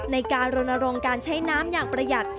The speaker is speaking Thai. ในการรณรงค์การใช้น้ำอย่างประหยัด